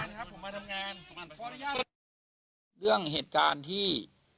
เรื่องเหตุการณ์ที่